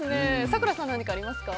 咲楽さん何かありますか？